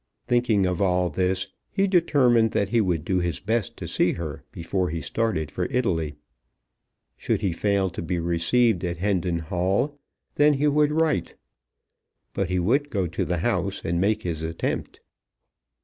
Thinking of all this, he determined that he would do his best to see her before he started for Italy. Should he fail to be received at Hendon Hall then he would write. But he would go to the house and make his attempt.